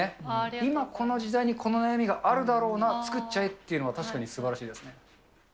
今この時代にこの悩みがあるだろうな、作っちゃえっていうのが、確かにすばらしいですね。